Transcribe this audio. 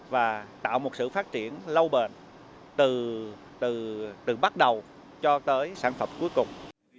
và tạo một sự phát triển lâu bền từ bắt đầu cho tới sản phẩm cuối cùng